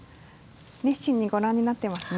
熱心にご覧になってますね。